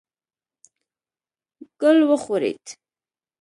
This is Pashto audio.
ګل وښورېد.